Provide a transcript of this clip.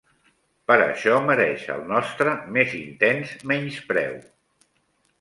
Per això mereix el nostre més intens menyspreu.